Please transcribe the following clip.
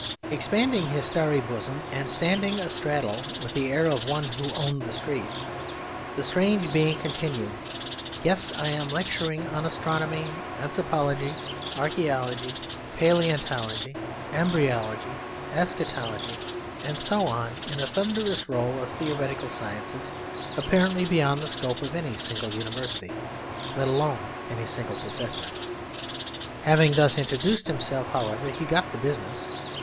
Expanding his starry bosom and standing astraddle, with the air of one who owned the street, the strange being continued, 'Yes, I am lecturing on astronomy, anthropology, archaeology, palaeontology, embryology, eschatology,' and so on in a thunderous roll of theoretical sciences apparently beyond the scope of any single university, let alone any single professor. Having thus introduced himself, however, he got to business.